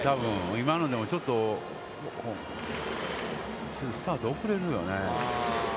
今のでもちょっと、スタートおくれるよね。